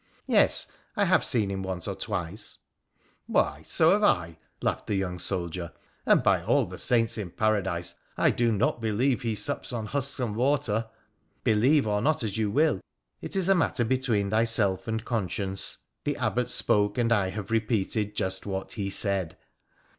' Yes, I have seen him once or twice.' ' Why, so have I,' laughed the young soldier —' and, by all the Saints in Paradise, I do not believe he sups on husks and water.' ' Believe or not as you will, it is a matter between thyself and conscience. The Abbot spoke, and I have repeated just what he said.'